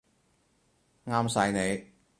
啱晒你